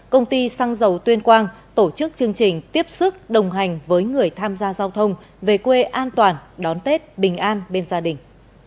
công ty xăng dầu tuyên quang tổ chức chương trình tiếp sức đồng hành với người tham gia giao thông về quê an toàn đón tết bình an bên gia đình